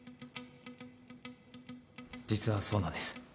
実はそうなんです。